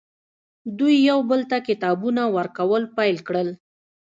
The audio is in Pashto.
دوی یو بل ته کتابونه ورکول پیل کړل